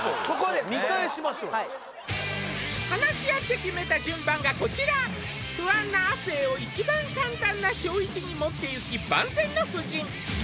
ここではい話し合って決めた順番がこちら不安な亜生を一番簡単な小１に持っていき万全の布陣